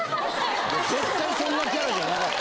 絶対そんなキャラじゃなかった。